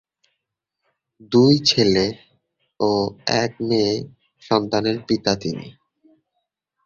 দুই ছেলে ও এক মেয়ে সন্তানের পিতা তিনি।